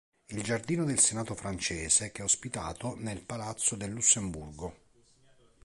È il giardino del Senato francese, che è ospitato nel Palazzo del Lussemburgo.